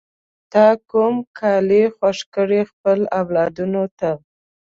تا کوم کالی خوښ کړل خپلو اولادونو ته؟